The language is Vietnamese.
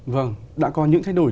vâng đã có những thay đổi